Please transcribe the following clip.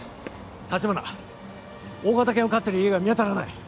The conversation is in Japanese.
橘大型犬を飼ってる家が見当たらない。